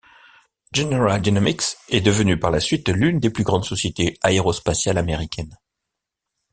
General Dynamics est devenu par la suite l'une des plus grandes sociétés aérospatiales américaines.